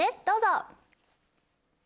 どうぞ！